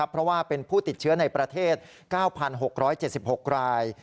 เพราะว่าเป็นผู้ติดเชื้อในประเทศ๙๖๗๖ราย